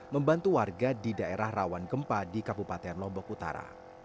membantu warga di daerah rawan gempa di kabupaten lombok utara